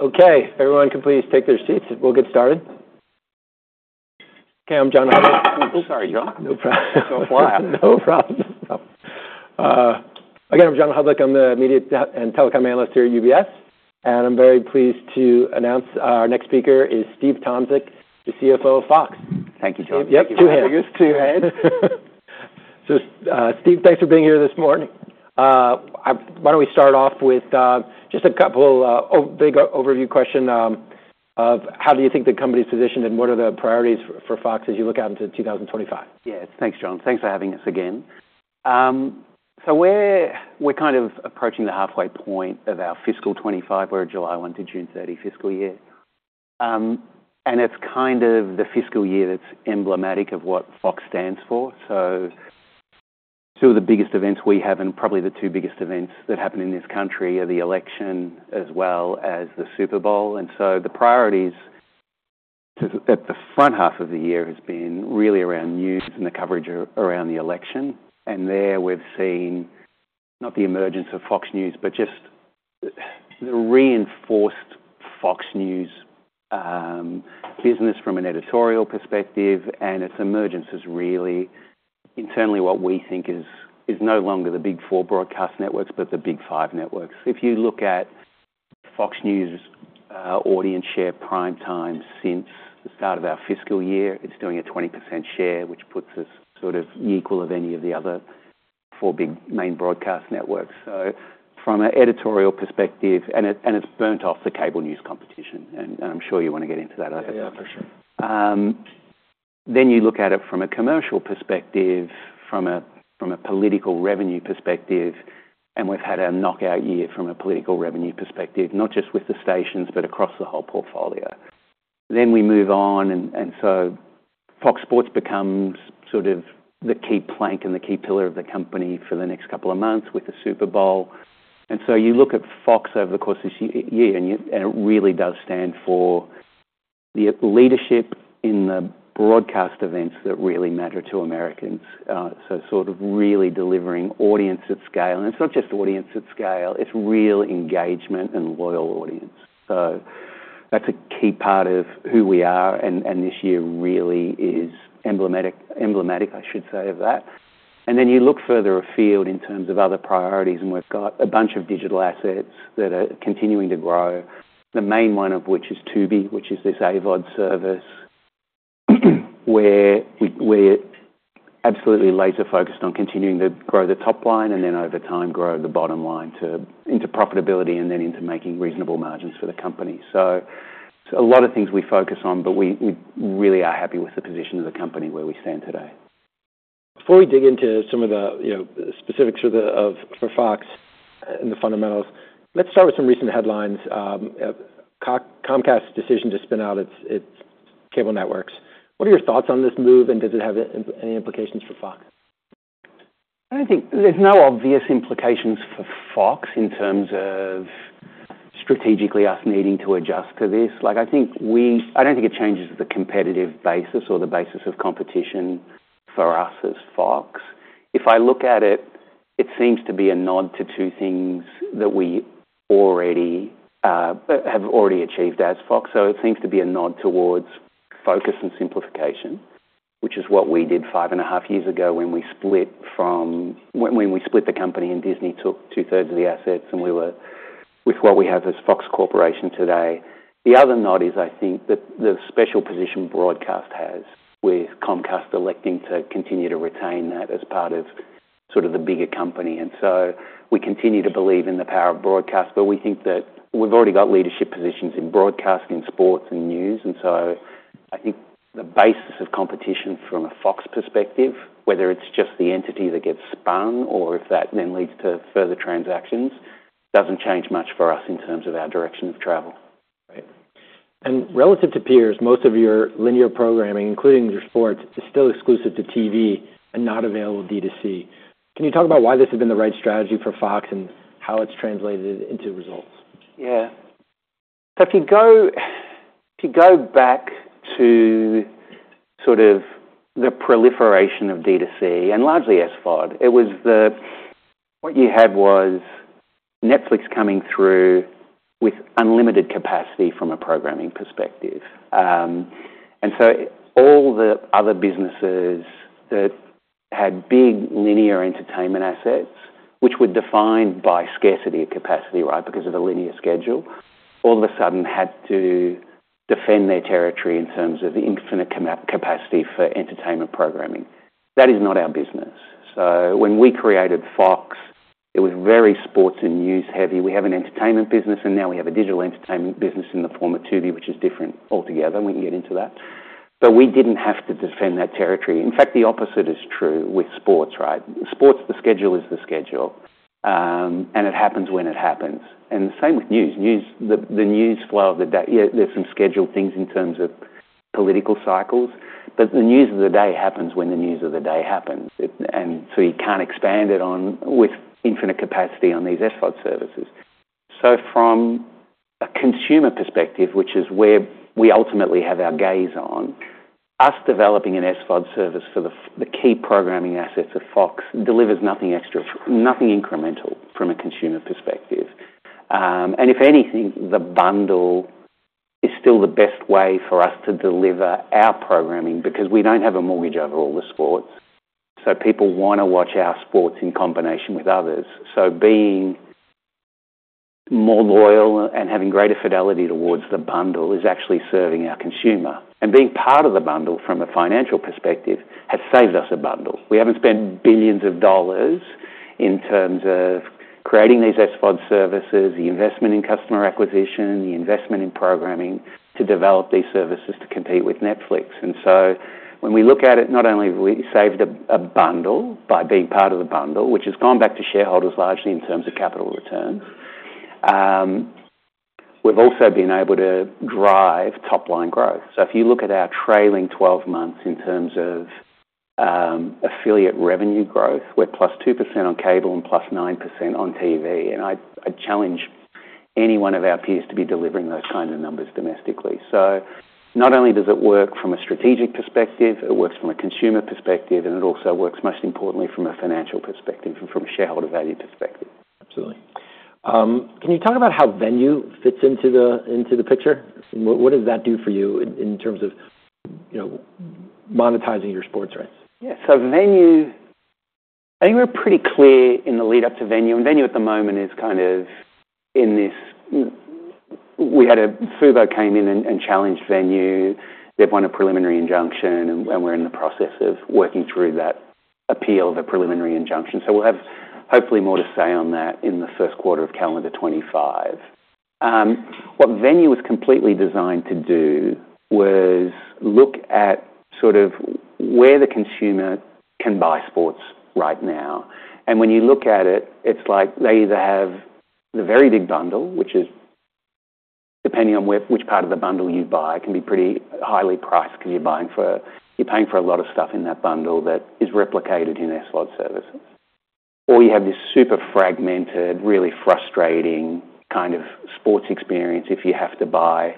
Okay. Everyone can please take their seats. We'll get started. Okay. I'm John Hodulik. Oops. Sorry, John. No problem. Don't fly out. No problem. Again, I'm John Hodulik. I'm the Media and Telecom Analyst here at UBS. I'm very pleased to announce our next speaker is Steve Tomsic, the CFO of Fox. Thank you, John. Yep. Two hands. Biggest two hands. So Steve, thanks for being here this morning. Why don't we start off with just a couple of big overview questions of how do you think the company's positioned and what are the priorities for Fox as you look out into 2025? Yes. Thanks, John. Thanks for having us again, so we're kind of approaching the halfway point of our fiscal 2025. We're at July 1 to June 30 fiscal year, and it's kind of the fiscal year that's emblematic of what Fox stands for, so two of the biggest events we have and probably the two biggest events that happen in this country are the election as well as the Super Bowl, and so the priorities at the front half of the year have been really around news and the coverage around the election. And there we've seen not the emergence of Fox News, but just the reinforced Fox News business from an editorial perspective, and its emergence is really internally what we think is no longer the Big Four broadcast networks, but the Big Five networks. If you look at Fox News' audience share primetime since the start of our fiscal year, it's doing a 20% share, which puts us sort of equal of any of the other four big main broadcast networks, so from an editorial perspective, and it's burnt off the cable news competition, and I'm sure you want to get into that a little bit. Yeah. For sure. Then you look at it from a commercial perspective, from a political revenue perspective, and we've had a knockout year from a political revenue perspective, not just with the stations, but across the whole portfolio. Then we move on. And so Fox Sports becomes sort of the key plank and the key pillar of the company for the next couple of months with the Super Bowl. And so you look at Fox over the course of this year, and it really does stand for the leadership in the broadcast events that really matter to Americans. So sort of really delivering audience at scale. And it's not just audience at scale. It's real engagement and loyal audience. So that's a key part of who we are. And this year really is emblematic, I should say, of that. And then you look further afield in terms of other priorities, and we've got a bunch of digital assets that are continuing to grow, the main one of which is Tubi, which is this AVOD service where we are absolutely laser-focused on continuing to grow the top line and then over time grow the bottom line into profitability and then into making reasonable margins for the company. So a lot of things we focus on, but we really are happy with the position of the company where we stand today. Before we dig into some of the specifics for Fox and the fundamentals, let's start with some recent headlines. Comcast's decision to spin out its cable networks. What are your thoughts on this move, and does it have any implications for Fox? I don't think there's no obvious implications for Fox in terms of strategically us needing to adjust to this. I don't think it changes the competitive basis or the basis of competition for us as Fox. If I look at it, it seems to be a nod to two things that we have already achieved as Fox. So it seems to be a nod towards focus and simplification, which is what we did five and a half years ago when we split from the company and Disney took two-thirds of the assets and we were with what we have as Fox Corporation today. The other nod is, I think, that the special position broadcast has with Comcast electing to continue to retain that as part of sort of the bigger company. And so we continue to believe in the power of broadcast, but we think that we've already got leadership positions in broadcast, in sports, in news. And so I think the basis of competition from a Fox perspective, whether it's just the entity that gets spun or if that then leads to further transactions, doesn't change much for us in terms of our direction of travel. Right. And relative to peers, most of your linear programming, including your sports, is still exclusive to TV and not available D2C. Can you talk about why this has been the right strategy for Fox and how it's translated into results? Yeah. So if you go back to sort of the proliferation of D2C and largely SVOD, what you had was Netflix coming through with unlimited capacity from a programming perspective. And so all the other businesses that had big linear entertainment assets, which were defined by scarcity of capacity, right, because of the linear schedule, all of a sudden had to defend their territory in terms of infinite capacity for entertainment programming. That is not our business. So when we created Fox, it was very sports and news-heavy. We have an entertainment business, and now we have a digital entertainment business in the form of Tubi, which is different altogether. We can get into that. But we didn't have to defend that territory. In fact, the opposite is true with sports, right? Sports, the schedule is the schedule, and it happens when it happens. And the same with news. The news flow of the day, there's some scheduled things in terms of political cycles, but the news of the day happens when the news of the day happens. And so you can't expand it with infinite capacity on these SVOD services. So from a consumer perspective, which is where we ultimately have our gaze on, us developing a SVOD service for the key programming assets of Fox delivers nothing incremental from a consumer perspective. And if anything, the bundle is still the best way for us to deliver our programming because we don't have a monopoly over all the sports. So people want to watch our sports in combination with others. So being more loyal and having greater fidelity towards the bundle is actually serving our consumer. And being part of the bundle from a financial perspective has saved us a bundle. We haven't spent billions of dollars in terms of creating these SVOD services, the investment in customer acquisition, the investment in programming to develop these services to compete with Netflix. And so when we look at it, not only have we saved a bundle by being part of the bundle, which has gone back to shareholders largely in terms of capital returns, we've also been able to drive top-line growth. So if you look at our trailing 12 months in terms of affiliate revenue growth, we're plus 2% on cable and plus 9% on TV. And I challenge any one of our peers to be delivering those kinds of numbers domestically. So not only does it work from a strategic perspective, it works from a consumer perspective, and it also works, most importantly, from a financial perspective and from a shareholder value perspective. Absolutely. Can you talk about how Venu fits into the picture? What does that do for you in terms of monetizing your sports rights? Yeah. So Venu, I think we're pretty clear in the lead-up to Venu, and Venu at the moment is kind of in this, we had a Fubo came in and challenged Venu. They've won a preliminary injunction, and we're in the process of working through that appeal of a preliminary injunction, so we'll have hopefully more to say on that in the first quarter of calendar 2025. What Venu was completely designed to do was look at sort of where the consumer can buy sports right now, and when you look at it, it's like they either have the very big bundle, which is depending on which part of the bundle you buy, can be pretty highly priced because you're paying for a lot of stuff in that bundle that is replicated in SVOD services. Or, you have this super fragmented, really frustrating kind of sports experience if you have to buy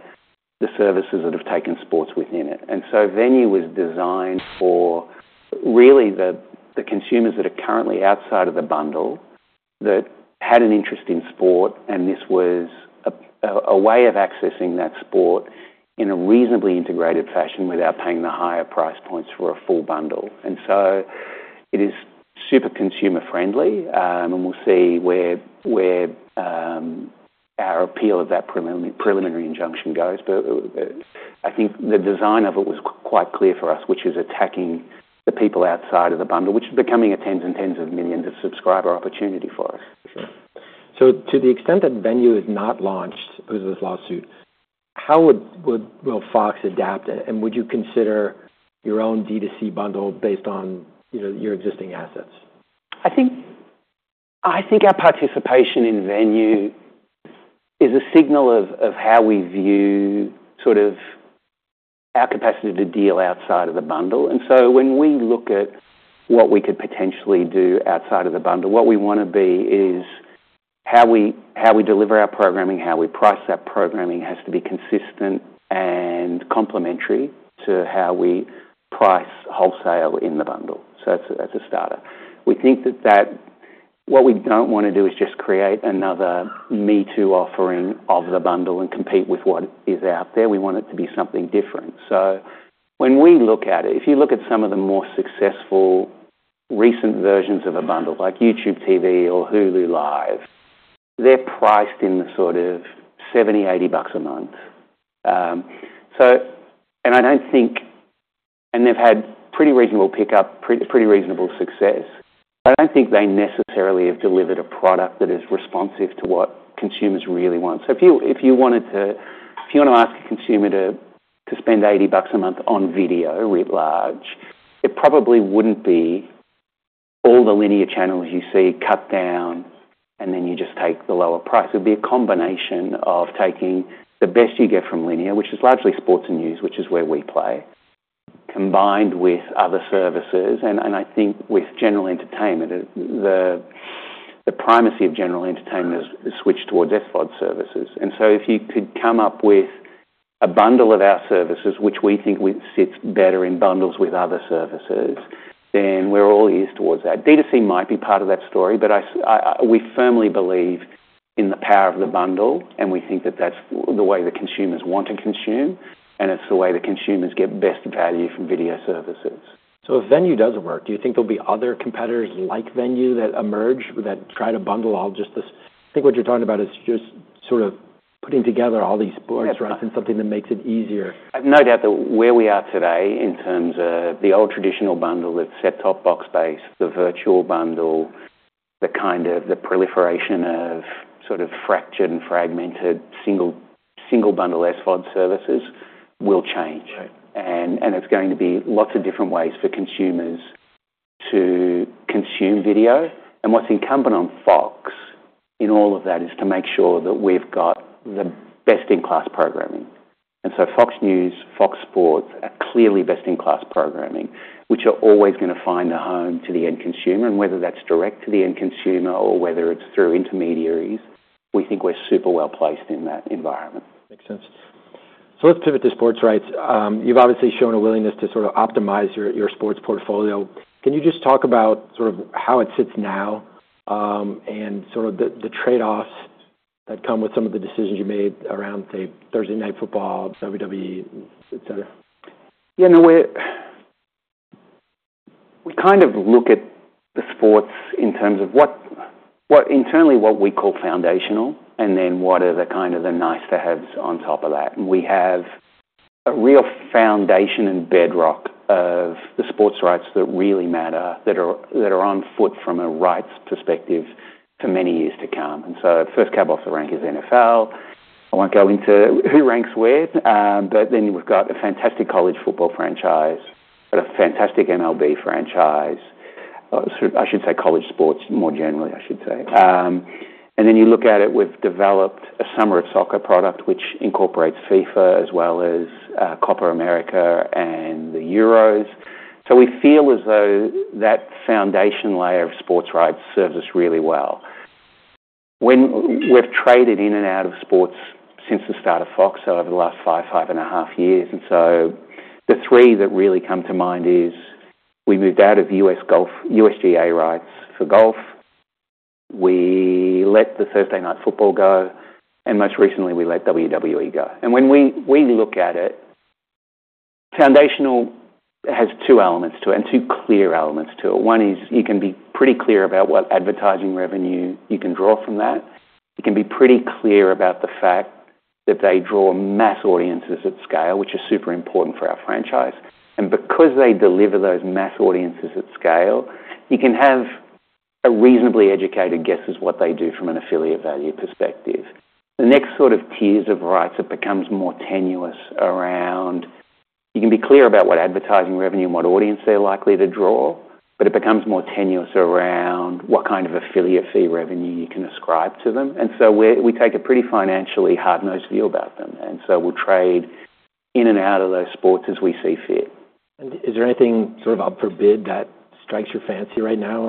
the services that have taken sports within it. And so Venu was designed for really the consumers that are currently outside of the bundle that had an interest in sport, and this was a way of accessing that sport in a reasonably integrated fashion without paying the higher price points for a full bundle. And so it is super consumer-friendly, and we'll see where our appeal of that preliminary injunction goes. But I think the design of it was quite clear for us, which is attacking the people outside of the bundle, which is becoming a tens and tens of millions of subscriber opportunity for us. For sure. So to the extent that Venu is not launched because of this lawsuit, how would Fox adapt it? And would you consider your own D2C bundle based on your existing assets? I think our participation in Venu is a signal of how we view sort of our capacity to deal outside of the bundle, and so when we look at what we could potentially do outside of the bundle, what we want to be is how we deliver our programming. How we price our programming has to be consistent and complementary to how we price wholesale in the bundle, so that's a starter. We think that what we don't want to do is just create another me-too offering of the bundle and compete with what is out there. We want it to be something different, so when we look at it, if you look at some of the more successful recent versions of a bundle like YouTube TV or Hulu Live, they're priced in the sort of $70-$80 a month. I don't think, and they've had pretty reasonable pickup, pretty reasonable success, but I don't think they necessarily have delivered a product that is responsive to what consumers really want. If you wanted to, if you want to ask a consumer to spend $80 a month on video, writ large, it probably wouldn't be all the linear channels you see cut down, and then you just take the lower price. It would be a combination of taking the best you get from linear, which is largely sports and news, which is where we play, combined with other services. I think with general entertainment, the primacy of general entertainment has switched towards SVOD services. If you could come up with a bundle of our services, which we think sits better in bundles with other services, then we're all ears towards that. D2C might be part of that story, but we firmly believe in the power of the bundle, and we think that that's the way the consumers want to consume, and it's the way the consumers get best value from video services. So if Venu doesn't work, do you think there'll be other competitors like Venu that emerge that try to bundle all just this? I think what you're talking about is just sort of putting together all these sports rights and something that makes it easier. No doubt that where we are today in terms of the old traditional bundle that's set-top box-based, the virtual bundle, the kind of proliferation of sort of fractured and fragmented single-bundle SVOD services will change. And there's going to be lots of different ways for consumers to consume video. And what's incumbent on Fox in all of that is to make sure that we've got the best-in-class programming. And so Fox News, Fox Sports, clearly best-in-class programming, which are always going to find a home to the end consumer. And whether that's direct to the end consumer or whether it's through intermediaries, we think we're super well placed in that environment. Makes sense. So let's pivot to sports rights. You've obviously shown a willingness to sort of optimize your sports portfolio. Can you just talk about sort of how it sits now and sort of the trade-offs that come with some of the decisions you made around, say, Thursday Night Football, WWE, etc.? Yeah. No, we kind of look at the sports in terms of, internally, what we call foundational and then what are the kind of nice-to-haves on top of that, and we have a real foundation and bedrock of the sports rights that really matter that are in place from a rights perspective for many years to come, and so first cab off the rank is NFL. I won't go into who ranks where, but then we've got a fantastic college football franchise, a fantastic MLB franchise. I should say college sports more generally, I should say, and then you look at it, we've developed a Summer of Soccer product which incorporates FIFA as well as Copa América and the Euros, so we feel as though that foundation layer of sports rights serves us really well. We've traded in and out of sports since the start of Fox over the last five, five and a half years, and so the three that really come to mind is we moved out of USGA rights for golf. We let the Thursday Night Football go, and most recently, we let WWE go, and when we look at it, foundational has two elements to it and two clear elements to it. One is you can be pretty clear about what advertising revenue you can draw from that. You can be pretty clear about the fact that they draw mass audiences at scale, which is super important for our franchise, and because they deliver those mass audiences at scale, you can have a reasonably educated guess as what they do from an affiliate value perspective. The next sort of tiers of rights that becomes more tenuous around you can be clear about what advertising revenue and what audience they're likely to draw, but it becomes more tenuous around what kind of affiliate fee revenue you can ascribe to them, and so we take a pretty financially hard-nosed view about them, and so we'll trade in and out of those sports as we see fit. Is there anything sort of up for bid that strikes your fancy right now?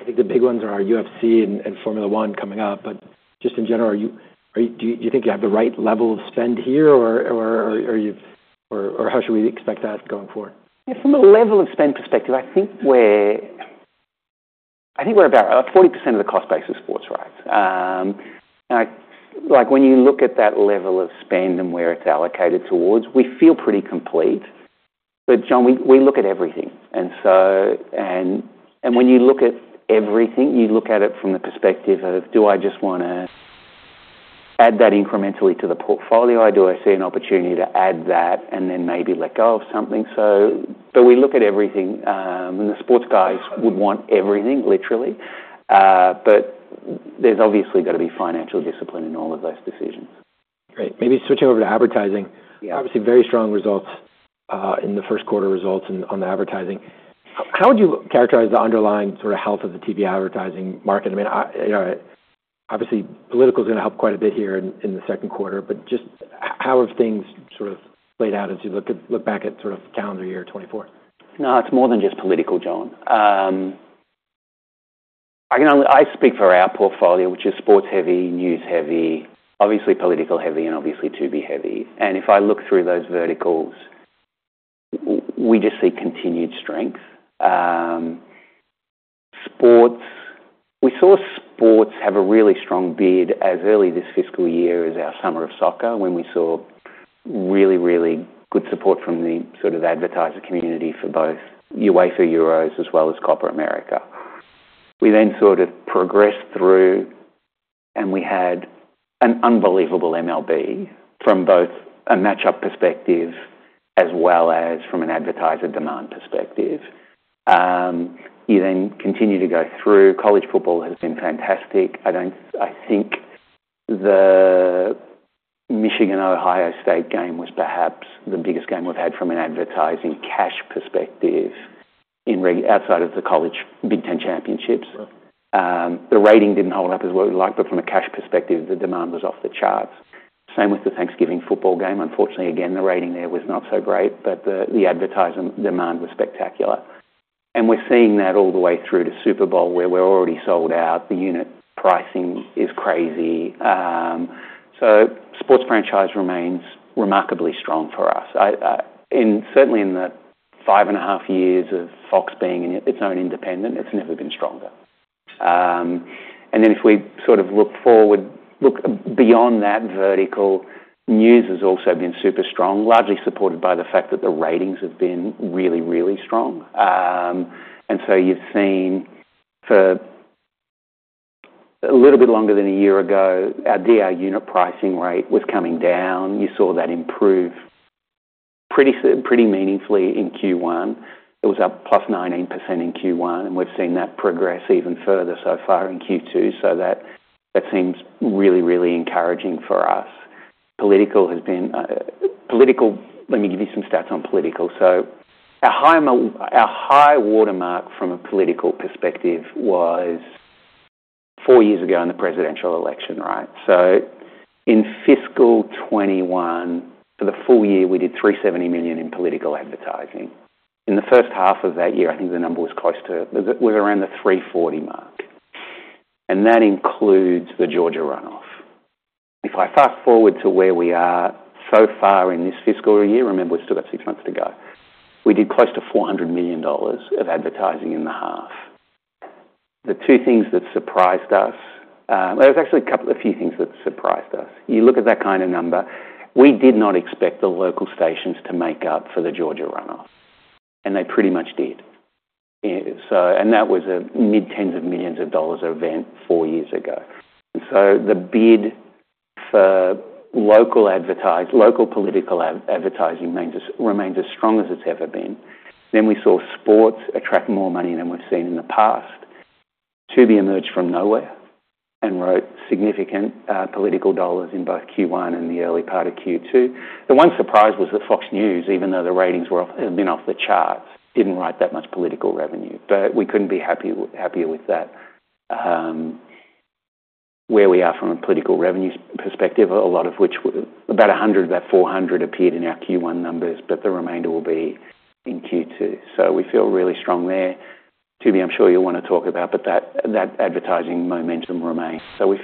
I mean, I think the big ones are UFC and Formula 1 coming up, but just in general, do you think you have the right level of spend here, or how should we expect that going forward? From a level of spend perspective, I think we're about 40% of the cost base of sports rights. When you look at that level of spend and where it's allocated towards, we feel pretty complete. But, John, we look at everything. And when you look at everything, you look at it from the perspective of, "Do I just want to add that incrementally to the portfolio? Do I see an opportunity to add that and then maybe let go of something?" But we look at everything. And the sports guys would want everything, literally. But there's obviously got to be financial discipline in all of those decisions. Great. Maybe switching over to advertising. Obviously, very strong results in the first quarter on the advertising. How would you characterize the underlying sort of health of the TV advertising market? I mean, obviously, political is going to help quite a bit here in the second quarter, but just how have things sort of played out as you look back at sort of calendar year 2024? No, it's more than just political, John. I speak for our portfolio, which is sports-heavy, news-heavy, obviously political-heavy, and obviously Tubi-heavy. And if I look through those verticals, we just see continued strength. We saw sports have a really strong bid as early this fiscal year as our summer of soccer when we saw really, really good support from the sort of advertiser community for both UEFA Euros as well as Copa América. We then sort of progressed through, and we had an unbelievable MLB from both a matchup perspective as well as from an advertiser demand perspective. You then continue to go through. College football has been fantastic. I think the Michigan-Ohio State game was perhaps the biggest game we've had from an advertising cash perspective outside of the college Big Ten Championships. The rating didn't hold up as what we'd like, but from a cash perspective, the demand was off the charts. Same with the Thanksgiving football game. Unfortunately, again, the rating there was not so great, but the advertiser demand was spectacular, and we're seeing that all the way through to Super Bowl where we're already sold out. The unit pricing is crazy, so sports franchise remains remarkably strong for us, and certainly in the five and a half years of Fox being its own independent, it's never been stronger, and then if we sort of look forward, look beyond that vertical, news has also been super strong, largely supported by the fact that the ratings have been really, really strong, and so you've seen for a little bit longer than a year ago, our DR unit pricing rate was coming down. You saw that improve pretty meaningfully in Q1. It was up +19% in Q1, and we've seen that progress even further so far in Q2. So that seems really, really encouraging for us. Political has been political. Let me give you some stats on political. So our high watermark from a political perspective was four years ago in the presidential election, right? So in fiscal 2021, for the full year, we did $370 million in political advertising. In the first half of that year, I think the number was close to it. It was around the $340 million mark. And that includes the Georgia runoff. If I fast forward to where we are so far in this fiscal year, remember we still got six months to go, we did close to $400 million of advertising in the half. The two things that surprised us, there was actually a few things that surprised us. You look at that kind of number, we did not expect the local stations to make up for the Georgia runoff, and they pretty much did, and that was a mid-tens of millions of dollars event four years ago, and so the bid for local political advertising remains as strong as it's ever been, then we saw sports attract more money than we've seen in the past. Tubi emerged from nowhere and drew significant political dollars in both Q1 and the early part of Q2. The one surprise was that Fox News, even though the ratings had been off the charts, didn't draw that much political revenue, but we couldn't be happier with that. Where we are from a political revenue perspective, a lot of which about $100 million of that $400 million appeared in our Q1 numbers, but the remainder will be in Q2, so we feel really strong there. Tubi, I'm sure you'll want to talk about, but that advertising momentum remains. So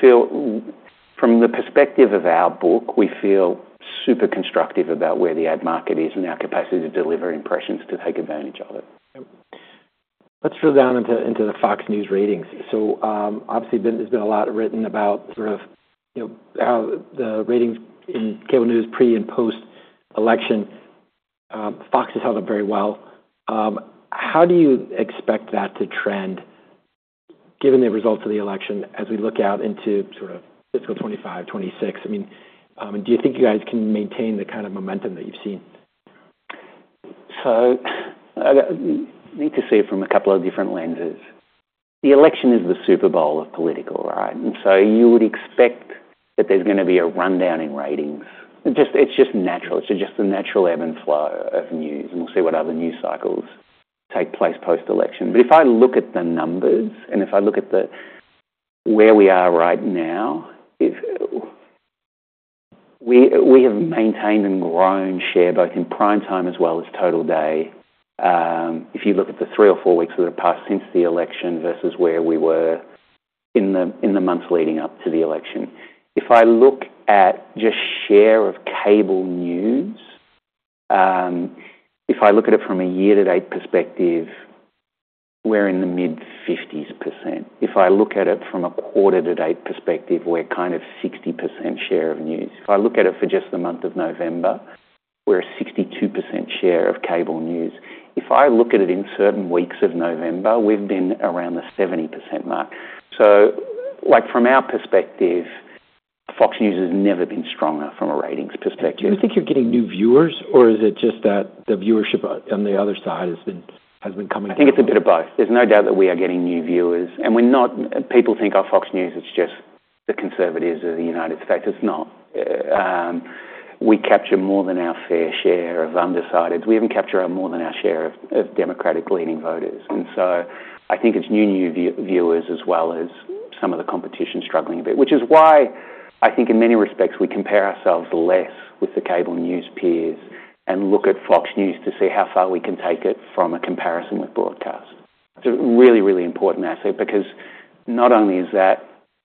from the perspective of our book, we feel super constructive about where the ad market is and our capacity to deliver impressions to take advantage of it. Let's drill down into the Fox News ratings. So obviously, there's been a lot written about sort of how the ratings in cable news pre and post-election. Fox has held up very well. How do you expect that to trend given the results of the election as we look out into sort of fiscal 2025, 2026? I mean, do you think you guys can maintain the kind of momentum that you've seen? So I need to see it from a couple of different lenses. The election is the Super Bowl of political, right? And so you would expect that there's going to be a rundown in ratings. It's just natural. It's just a natural ebb and flow of news, and we'll see what other news cycles take place post-election. But if I look at the numbers and if I look at where we are right now, we have maintained and grown share both in prime time as well as total day. If you look at the three or four weeks that have passed since the election versus where we were in the months leading up to the election, if I look at just share of cable news, if I look at it from a year-to-date perspective, we're in the mid-50s%. If I look at it from a quarter-to-date perspective, we're kind of 60% share of news. If I look at it for just the month of November, we're a 62% share of cable news. If I look at it in certain weeks of November, we've been around the 70% mark. So from our perspective, Fox News has never been stronger from a ratings perspective. Do you think you're getting new viewers, or is it just that the viewership on the other side has been coming? I think it's a bit of both. There's no doubt that we are getting new viewers. And people think our Fox News, it's just the conservatives of the United States. It's not. We capture more than our fair share of undecided. We even capture more than our share of Democratic-leaning voters. And so I think it's new viewers as well as some of the competition struggling a bit, which is why I think in many respects we compare ourselves less with the cable news peers and look at Fox News to see how far we can take it from a comparison with broadcast. It's a really, really important asset because not only is that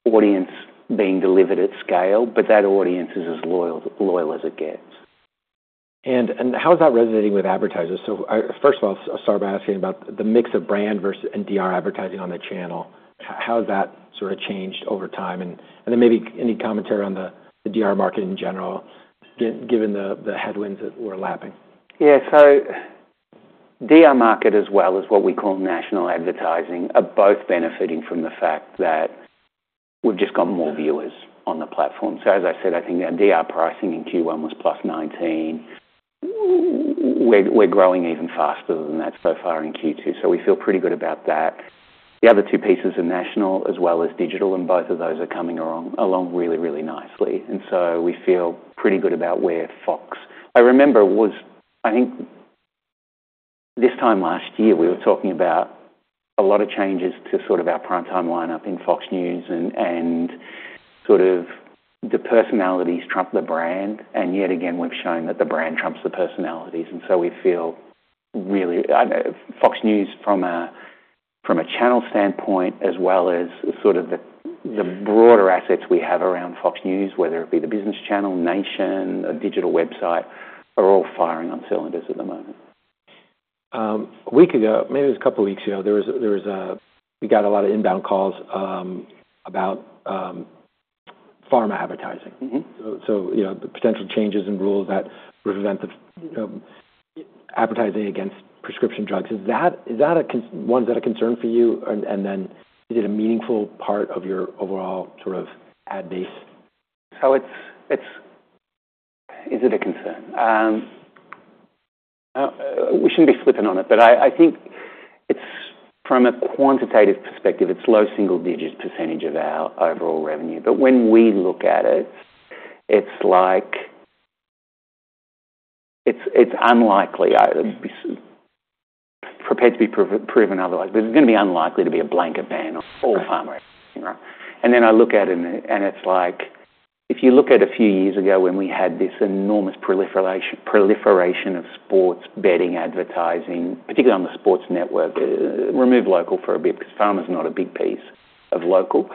audience being delivered at scale, but that audience is as loyal as it gets. How is that resonating with advertisers? First of all, I'll start by asking about the mix of brand versus DR advertising on the channel. How has that sort of changed over time? Then maybe any commentary on the DR market in general, given the headwinds that we're lapping? Yeah. So DR market as well as what we call national advertising are both benefiting from the fact that we've just got more viewers on the platform. So as I said, I think our DR pricing in Q1 was plus 19%. We're growing even faster than that so far in Q2. So we feel pretty good about that. The other two pieces of national as well as digital, and both of those are coming along really, really nicely. And so we feel pretty good about where Fox, I remember, was. I think this time last year, we were talking about a lot of changes to sort of our prime time lineup in Fox News and sort of the personalities trump the brand. And yet again, we've shown that the brand trumps the personalities. And so, we feel really Fox News from a channel standpoint as well as sort of the broader assets we have around Fox News, whether it be the business channel, Nation, or digital website, are firing on all cylinders at the moment. A week ago, maybe it was a couple of weeks ago, we got a lot of inbound calls about pharma advertising. So, potential changes and rules that prevent advertising against prescription drugs. Is that one that's a concern for you? And then is it a meaningful part of your overall sort of ad base? So is it a concern? We shouldn't be slipping on it, but I think from a quantitative perspective, it's low single-digit % of our overall revenue. But when we look at it, it's unlikely. Prepare to be proven otherwise. But it's going to be unlikely to be a blanket ban. All pharma advertising, right? And then I look at it, and it's like if you look at a few years ago when we had this enormous proliferation of sports betting advertising, particularly on the sports network, remove local for a bit because pharma is not a big piece of local.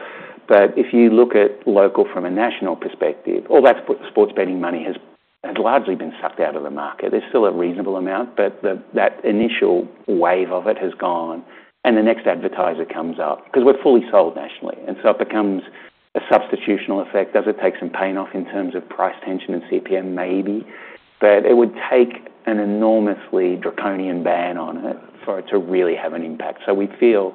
But if you look at local from a national perspective, all that sports betting money has largely been sucked out of the market. There's still a reasonable amount, but that initial wave of it has gone. And the next advertiser comes up because we're fully sold nationally. And so it becomes a substitutional effect. Does it take some pain off in terms of price tension and CPM? Maybe. But it would take an enormously draconian ban on it for it to really have an impact. So we feel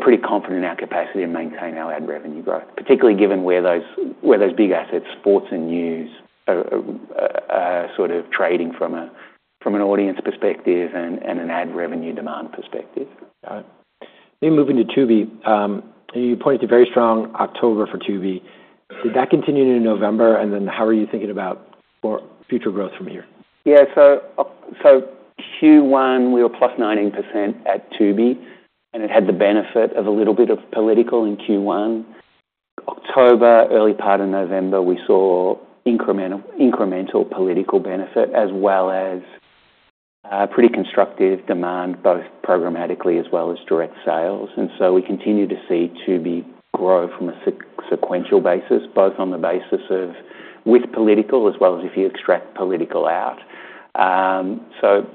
pretty confident in our capacity to maintain our ad revenue growth, particularly given where those big assets, sports and news, are sort of trading from an audience perspective and an ad revenue demand perspective. Got it. Maybe moving to Tubi. You pointed to very strong October for Tubi. Did that continue into November? And then how are you thinking about future growth from here? Yeah. So Q1, we were plus 19% at Tubi, and it had the benefit of a little bit of political in Q1. October, early part of November, we saw incremental political benefit as well as pretty constructive demand, both programmatically as well as direct sales. And so we continue to see Tubi grow from a sequential basis, both on the basis of with political as well as if you extract political out. So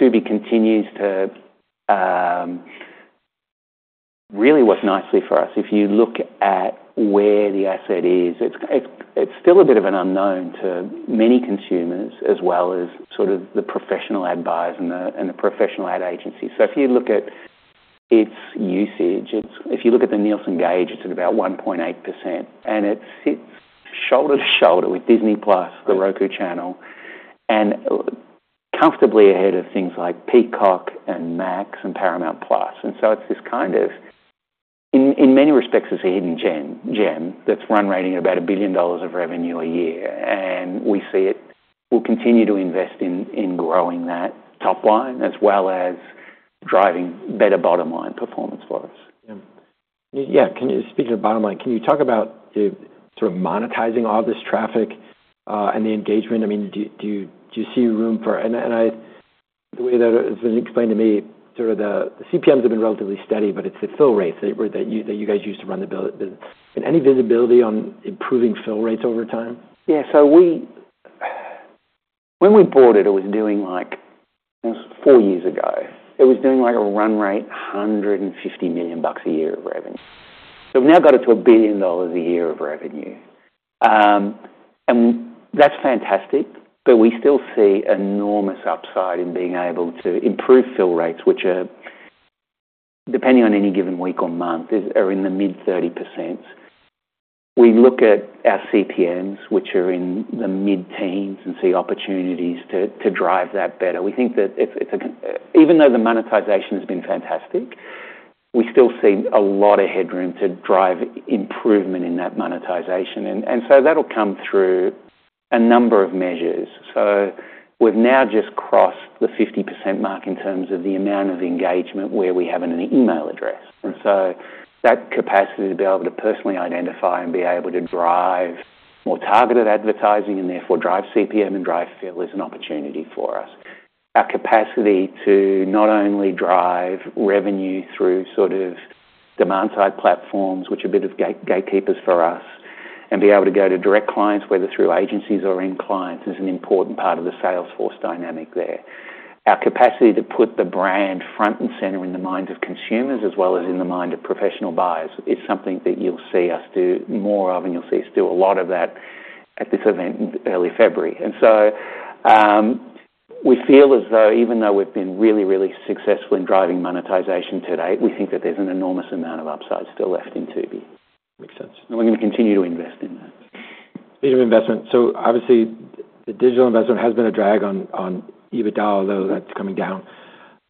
Tubi continues to really work nicely for us. If you look at where the asset is, it's still a bit of an unknown to many consumers as well as sort of the professional ad buyers and the professional ad agencies. So if you look at its usage, if you look at the Nielsen Gauge, it's at about 1.8%. It sits shoulder to shoulder with Disney+, the Roku Channel, and comfortably ahead of things like Peacock and Max and Paramount+. So it's this kind of, in many respects, it's a hidden gem that's run rate at about $1 billion of revenue a year. We see it. We'll continue to invest in growing that top line as well as driving better bottom line performance for us. Yeah. Speaking of bottom line, can you talk about sort of monetizing all this traffic and the engagement? I mean, do you see room for it? And the way that it's been explained to me, sort of the CPMs have been relatively steady, but it's the fill rates that you guys use to run the bill. Any visibility on improving fill rates over time? Yeah. So when we bought it, it was doing like four years ago. It was doing like a run rate of $150 million a year of revenue. So we've now got it to $1 billion a year of revenue. And that's fantastic, but we still see enormous upside in being able to improve fill rates, which are depending on any given week or month, are in the mid-30%. We look at our CPMs, which are in the mid-teens, and see opportunities to drive that better. We think that even though the monetization has been fantastic, we still see a lot of headroom to drive improvement in that monetization. And so that'll come through a number of measures. So we've now just crossed the 50% mark in terms of the amount of engagement where we have an email address. And so that capacity to be able to personally identify and be able to drive more targeted advertising and therefore drive CPM and drive fill is an opportunity for us. Our capacity to not only drive revenue through sort of demand-side platforms, which are a bit of gatekeepers for us, and be able to go to direct clients, whether through agencies or direct clients, is an important part of the salesforce dynamic there. Our capacity to put the brand front and center in the minds of consumers as well as in the mind of professional buyers is something that you'll see us do more of, and you'll see still a lot of that at this event in early February. And so we feel as though, even though we've been really, really successful in driving monetization today, we think that there's an enormous amount of upside still left in Tubi. Makes sense. We're going to continue to invest in that. Leading investment. Obviously, the digital investment has been a drag on EBITDA, although that's coming down.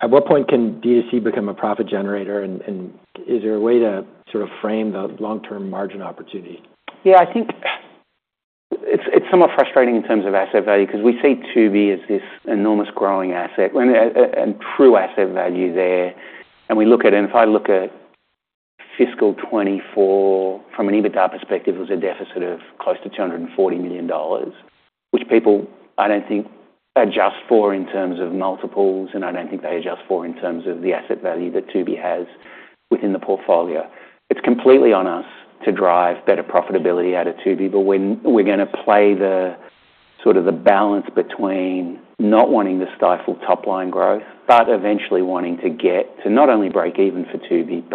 At what point can D2C become a profit generator, and is there a way to sort of frame the long-term margin opportunity? Yeah. I think it's somewhat frustrating in terms of asset value because we see Tubi as this enormous growing asset and true asset value there. And we look at, and if I look at fiscal 2024, from an EBITDA perspective, it was a deficit of close to $240 million, which people, I don't think, adjust for in terms of multiples, and I don't think they adjust for in terms of the asset value that Tubi has within the portfolio. It's completely on us to drive better profitability out of Tubi, but we're going to play sort of the balance between not wanting to stifle top-line growth, but eventually wanting to get to not only break even for Tubi,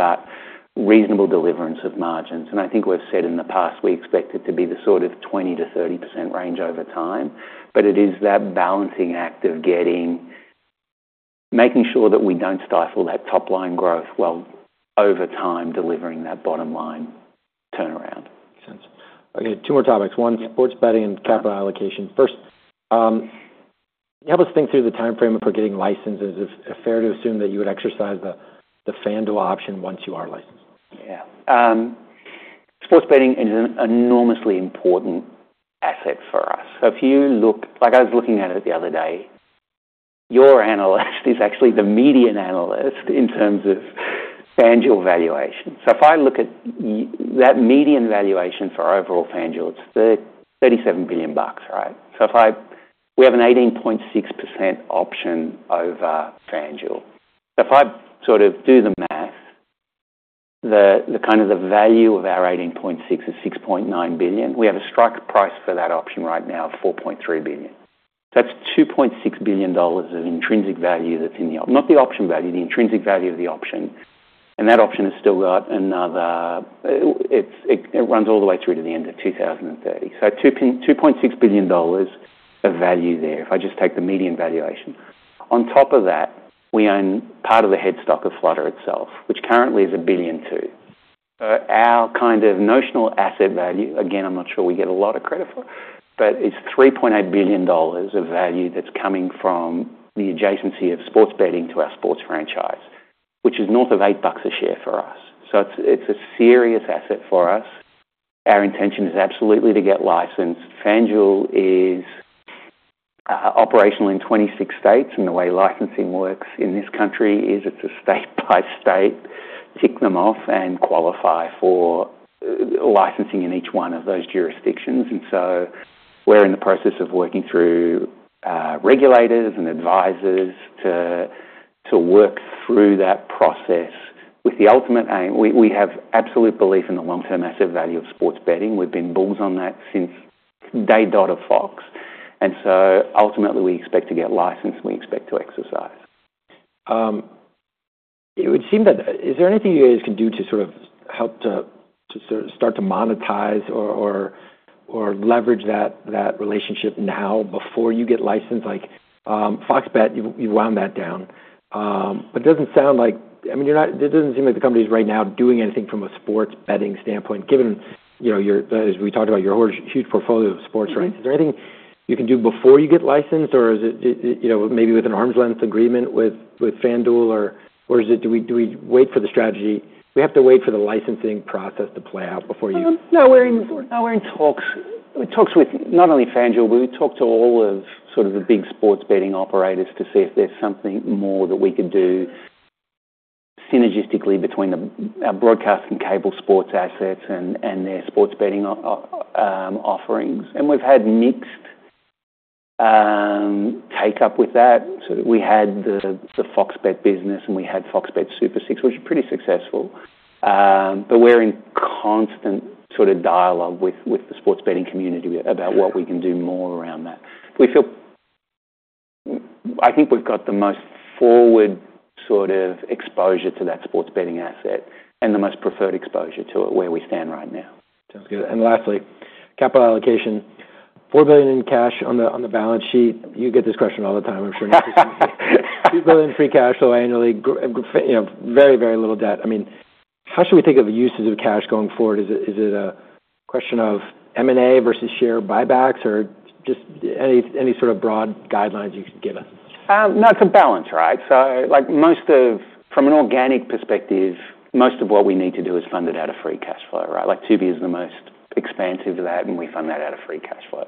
but reasonable delivery of margins. I think we've said in the past, we expect it to be the sort of 20%-30% range over time, but it is that balancing act of making sure that we don't stifle that top-line growth while over time delivering that bottom-line turnaround. Makes sense. Okay. Two more topics. One's sports betting and capital allocation. First, help us think through the timeframe of getting licenses. Is it fair to assume that you would exercise the FanDuel option once you are licensed? Yeah. Sports betting is an enormously important asset for us. So if you look like I was looking at it the other day, your analyst is actually the median analyst in terms of FanDuel valuation. So if I look at that median valuation for overall FanDuel, it's $37 billion, right? So we have an 18.6% option over FanDuel. So if I sort of do the math, the kind of the value of our 18.6 is $6.9 billion. We have a strike price for that option right now of $4.3 billion. That's $2.6 billion of intrinsic value that's in the not the option value, the intrinsic value of the option. And that option has still got another it runs all the way through to the end of 2030. So $2.6 billion of value there if I just take the median valuation. On top of that, we own part of the equity stake of Flutter itself, which currently is a billion, too. So our kind of notional asset value, again, I'm not sure we get a lot of credit for, but it's $3.8 billion of value that's coming from the adjacency of sports betting to our sports franchise, which is north of $8 a share for us. So it's a serious asset for us. Our intention is absolutely to get licensed. FanDuel is operational in 26 states, and the way licensing works in this country is it's a state-by-state tick them off and qualify for licensing in each one of those jurisdictions. And so we're in the process of working through regulators and advisors to work through that process with the ultimate aim. We have absolute belief in the long-term asset value of sports betting. We've been bulls on that since day one of Fox, and so ultimately, we expect to get licensed. We expect to exercise. It would seem that is there anything you guys can do to sort of help to start to monetize or leverage that relationship now before you get licensed? Fox Bet, you've wound that down. But it doesn't sound like I mean, it doesn't seem like the company is right now doing anything from a sports betting standpoint, given as we talked about your huge portfolio of sports, right? Is there anything you can do before you get licensed, or is it maybe with an arm's length agreement with FanDuel, or do we wait for the strategy? We have to wait for the licensing process to play out before you. No, we're in talks. We talked with not only FanDuel, but we talked to all of sort of the big sports betting operators to see if there's something more that we could do synergistically between our broadcast and cable sports assets and their sports betting offerings, and we've had mixed take-up with that, so we had the Fox Bet business, and we had Fox Bet Super 6, which are pretty successful, but we're in constant sort of dialogue with the sports betting community about what we can do more around that. I think we've got the most forward sort of exposure to that sports betting asset and the most preferred exposure to it where we stand right now. Sounds good, and lastly, capital allocation, $4 billion in cash on the balance sheet. You get this question all the time, I'm sure. $2 billion free cash flow annually, very, very little debt. I mean, how should we think of the uses of cash going forward? Is it a question of M&A versus share buybacks or just any sort of broad guidelines you can give us? No, it's a balance, right? So from an organic perspective, most of what we need to do is fund it out of free cash flow, right? Tubi is the most expansive of that, and we fund that out of free cash flow.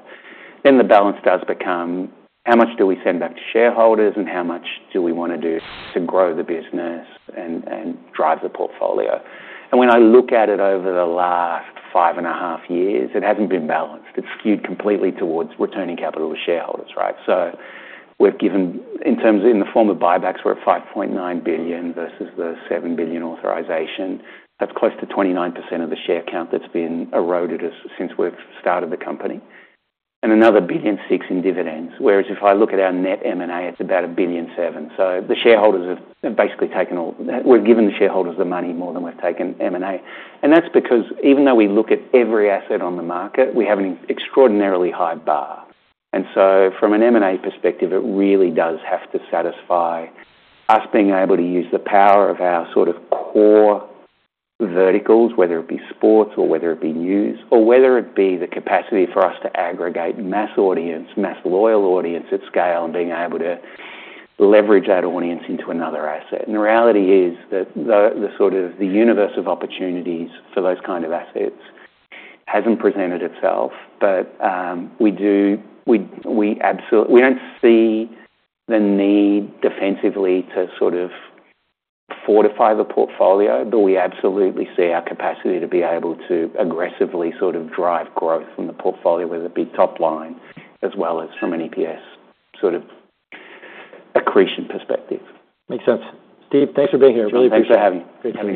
Then the balance does become how much do we send back to shareholders, and how much do we want to do to grow the business and drive the portfolio? And when I look at it over the last five and a half years, it hasn't been balanced. It's skewed completely towards returning capital to shareholders, right? So in the form of buybacks, we're at $5.9 billion versus the $7 billion authorization. That's close to 29% of the share count that's been eroded since we've started the company. And another $1.6 billion in dividends, whereas if I look at our net M&A, it's about $1.7 billion. The shareholders have basically taken all we've given the shareholders the money more than we've taken M&A. That's because even though we look at every asset on the market, we have an extraordinarily high bar, so from an M&A perspective, it really does have to satisfy us being able to use the power of our sort of core verticals, whether it be sports or whether it be news or whether it be the capacity for us to aggregate mass audience, mass loyal audience at scale, and being able to leverage that audience into another asset. The reality is that the sort of universe of opportunities for those kind of assets hasn't presented itself, but we don't see the need defensively to sort of fortify the portfolio, but we absolutely see our capacity to be able to aggressively sort of drive growth from the portfolio, whether it be top line as well as from an EPS sort of accretion perspective. Makes sense. Steve, thanks for being here. Really appreciate it. Thanks for having me. Good to.